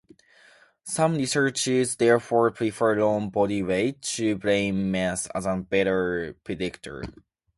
Some researchers therefore prefer lean body weight to brain mass as a better predictor.